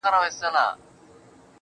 پاڅه چي ځو ترې ، ه ياره